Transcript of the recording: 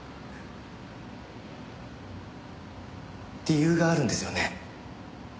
理由があるんですよね？